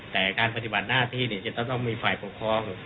แต่การปฏิบัติหน้าที่จะต้องมีฝ่ายปกครอง